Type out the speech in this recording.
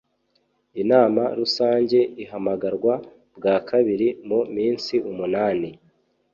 inama rusange ihamagarwa bwa kabiri mu minsi umunani